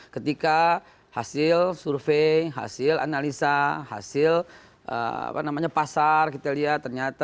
ketika hasil survei hasil analisa hasil pasar kita lihat ternyata